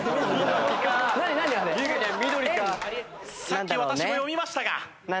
さっき私も読みましたが。